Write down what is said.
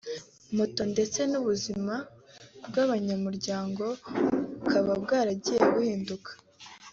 moto ndetse n’ubuzima bw’abanyamuryango bukaba bwaragiye buhinduka